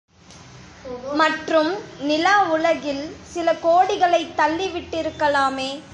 மற்றும், நிலாவுலகில் சில கோடிகளைத் தள்ளி விட்டிருக்கலாமே!